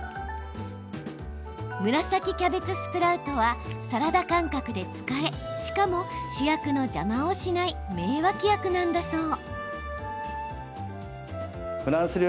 紫キャベツスプラウトはサラダ感覚で使えしかも、主役の邪魔をしない名脇役なんだそう。